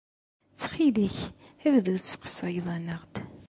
Ttxil-k, bdu tesseqsayeḍ-aneɣ-d!